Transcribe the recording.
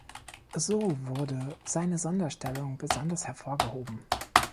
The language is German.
So wurde seine Sonderstellung besonders hervorgehoben.